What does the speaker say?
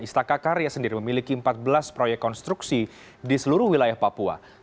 istaka karya sendiri memiliki empat belas proyek konstruksi di seluruh wilayah papua